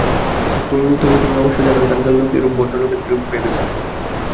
তবে তুমি অবশ্য জান, এখানকার লোকে এরূপ ভদ্রলোকদের কিরূপ ভেবে থাকে।